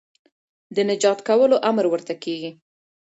د نجات کولو امر ورته کېږي